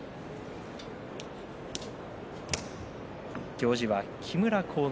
行司は木村晃之